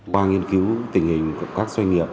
qua nghiên cứu tình hình của các doanh nghiệp